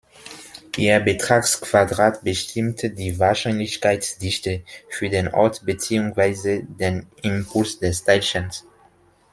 Ihr Betragsquadrat bestimmt die Wahrscheinlichkeitsdichte für den Ort beziehungsweise den Impuls des Teilchens.